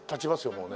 もうね。